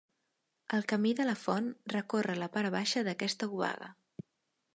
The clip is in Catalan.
El Camí de la Font recorre la part baixa d'aquesta obaga.